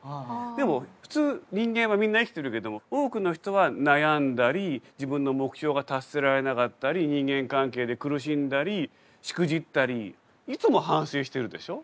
でも普通人間はみんな生きてるけども多くの人は悩んだり自分の目標が達せられなかったり人間関係で苦しんだりしくじったりいつも反省してるでしょ。